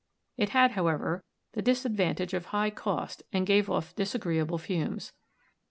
It had, however, the disadvantage of high cost and gave off dis agreeable fumes.